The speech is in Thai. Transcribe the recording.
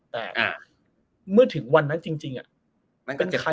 แต่เมื่อถึงวันนั้นจริงอะ